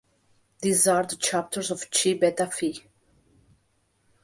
These are the chapters of Chi Beta Phi.